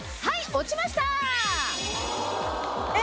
落ちました！